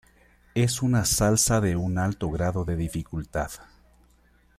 Es una salsa de un alto grado de dificultad.